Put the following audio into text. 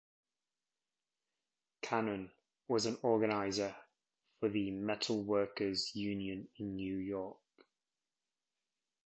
Cannon was an organizer for the Metal Workers' Union in New York.